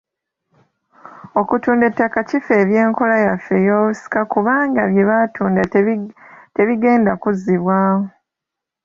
Okutunda ettaka kifeebya enkola yaffe ey’obusika kubanga bye batunda tebigenda kuzzibwawo.